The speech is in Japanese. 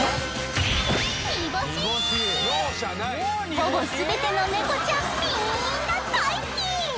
「ほぼ全ての猫ちゃんみんな大好き」